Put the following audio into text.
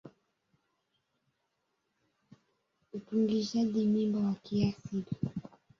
Utungishaji mimba wa kiasili